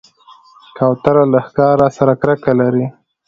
کوتره له ښکار سره کرکه لري.